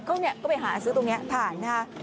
เขาก็ไปหาซื้อตรงนี้ผ่าน